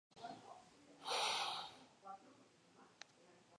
Cuando se produjo, Brown tenía cinco de estas monedas, las cuales vendió finalmente.